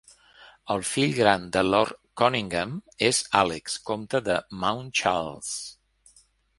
El fill gran de lord Conyngham és Àlex, comte de Mount Charles.